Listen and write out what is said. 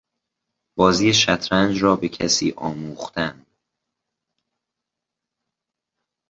بازی شطرنج را به کسی آموختن